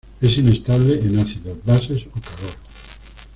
Es inestable en ácidos, bases o calor.